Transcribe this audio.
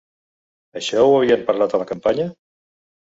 Això ho havien parlat a la campanya?